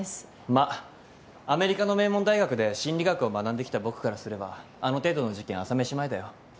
まっアメリカの名門大学で心理学を学んできた僕からすればあの程度の事件朝飯前だよ。